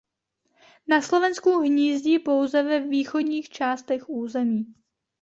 Na Slovensku hnízdí pouze ve východních částech území.